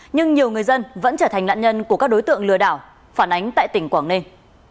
nhưng nhiều người dân vẫn trở thành nạn nhân của các đối tượng lừa đảo phản ánh tại tỉnh quảng ninh